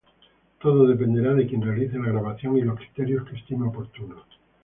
Todo dependerá de quien realice la grabación y los criterios que estime oportunos.